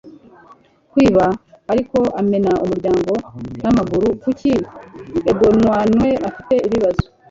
kwiba ariko amena umuryango n'amaguru? kuki egonwanne afite ibibazo